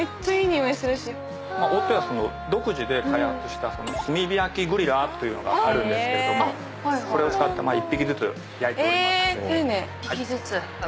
大戸屋独自で開発した炭火焼きグリラーというのがあるんですけれどもこれを使って１匹ずつ焼いております。